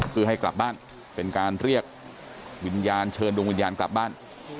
เพื่อให้กลับบ้านเป็นการเรียกวิญญาณเชิญดวงวิญญาณกลับบ้าน